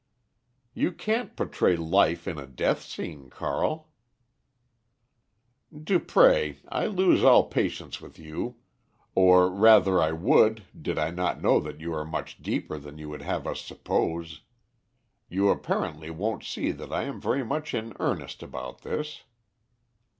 "You can't portray life in a death scene, Carl." "Dupré, I lose all patience with you, or rather I would did I not know that you are much deeper than you would have us suppose. You apparently won't see that I am very much in earnest about this."